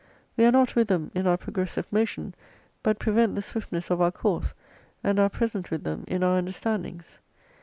We are not with them in our progressive motion, but prevent the swiftness of our course, and are present with them in our understandings.